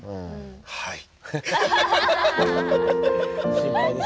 はい。